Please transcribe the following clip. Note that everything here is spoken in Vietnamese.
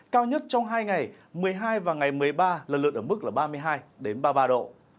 cao nhất trong hai ngày một mươi hai và ngày một mươi ba lần lượt ở mức là ba mươi hai ba mươi ba độ